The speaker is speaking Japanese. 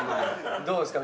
どうですか？